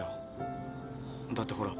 だってほら